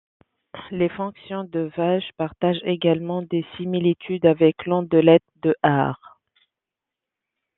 Les fonctions de Walsh partagent également des similitudes avec l'ondelette de Haar.